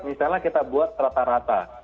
misalnya kita buat rata rata